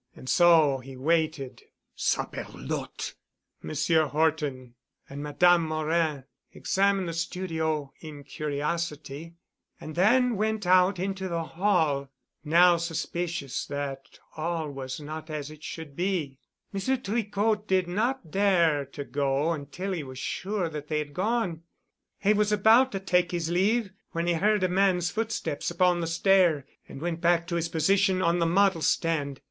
And so he waited." "Saperlotte!" "Monsieur Horton and Madame Morin examined the studio in curiosity and then went out into the hall, now suspicious that all was not as it should be. Monsieur Tricot did not dare to go until he was sure that they had gone. He was about to take his leave when he heard a man's footsteps upon the stair and went back to his position on the model stand.